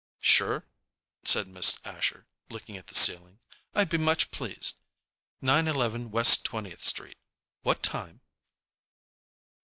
"Sure," said Miss Asher, looking at the ceiling. "I'd be much pleased. Nine eleven West Twentieth street. What time?"